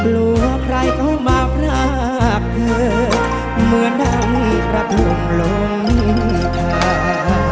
รู้ว่าใครเข้ามาพรากเธอเมื่อนั้นประทงลงทาง